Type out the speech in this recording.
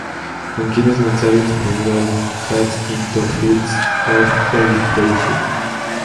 Con quienes lanzaron su primer álbum, Cast Into Fields of Evil Pleasure.